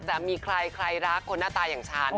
จะมีใครรักคนหน้าตาอย่างฉัน